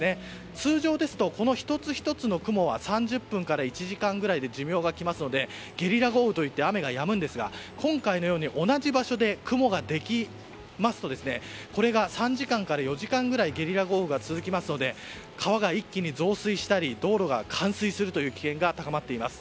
通常ですと、この１つ１つの雲は３０分から１時間くらいで寿命が来ますのでゲリラ雷雨といって雨がやむんですが今回のように同じ場所で雲ができますとこれが３時間から４時間ぐらいゲリラ豪雨が続きますので川が一気に増水したり道路が冠水するという危険が高まっています。